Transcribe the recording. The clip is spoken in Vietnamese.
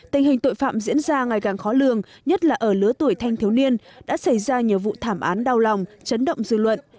tình hình tội phạm diễn ra ngày càng khó lường nhất là ở lứa tuổi thanh thiếu niên đã xảy ra nhiều vụ thảm án đau lòng chấn động dư luận